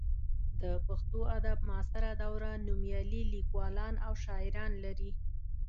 د پښتو ادب معاصره دوره نومیالي لیکوالان او شاعران لري.